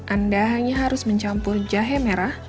anda hanya harus mencampur jahe merah